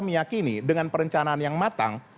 meyakini dengan perencanaan yang matang